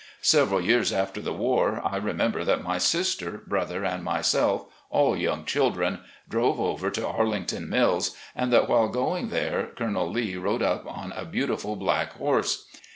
Several years before the war I remember that my sister, brother, and myself, all young children, drove over to Arlington Mills, and that while going there Colonel Lee rode up on a beautiful black horse.